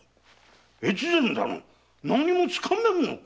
越前殿何も掴めんのか